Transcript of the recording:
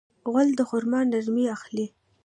غول د خرما نرمي اخلي.